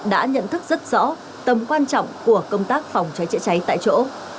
đã nhận thức rất rõ tầm quan trọng của công tác phòng cháy chữa cháy tại chỗ